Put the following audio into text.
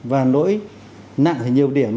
và lỗi nặng thì nhiều điểm